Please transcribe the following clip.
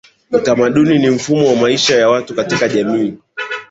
Utamaduni ni mfumo wa maisha ya watu katika jamii